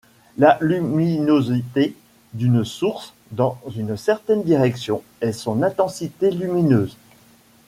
La luminosité d'une source dans une certaine direction est son intensité lumineuse.